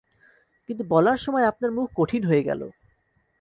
কিন্তু বলার সময় আপনার মুখ কঠিন হয়ে গেল।